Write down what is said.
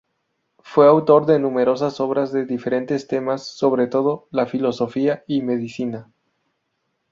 Fue autor de numerosas obras de diferentes temas, sobre todo de filosofía y medicina.